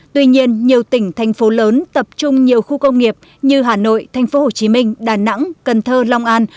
tuy nhiên nhiều tỉnh thành phố lớn tập trung nhiều khu công nghiệp như hà nội thành phố hồ chí minh đà nẵng cần thơ long an